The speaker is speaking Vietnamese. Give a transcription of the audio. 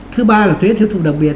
thứ ba là thuế thiếu thùng đặc biệt